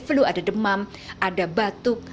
flu ada demam ada batuk